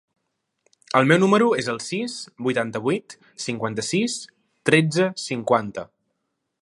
El meu número es el sis, vuitanta-vuit, cinquanta-sis, tretze, cinquanta.